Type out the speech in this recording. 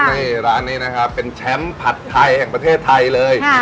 นี่ร้านนี้นะครับเป็นแชมป์ผัดไทยแห่งประเทศไทยเลย